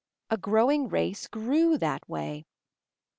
A growing race grew that way.